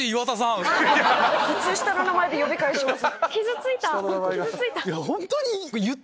普通下の名前で呼び返します。